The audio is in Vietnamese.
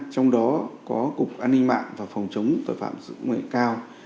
trong đó có cục an ninh mạng và phòng chống tội phạm dữ nguyện cao